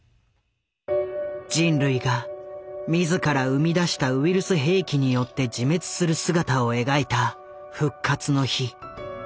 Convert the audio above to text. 人類が自ら生み出したウイルス兵器によって自滅する姿を描いた「復活の日」。